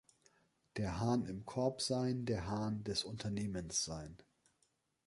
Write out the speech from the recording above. Der Hahn im Korb sein der Hahn des Unternehmens sein